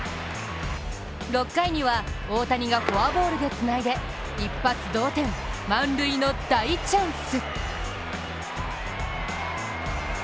６回には大谷がフォアボールでつないで１発同点、満塁の大チャンス！